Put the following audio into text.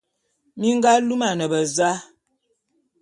Mi nga lumane beza?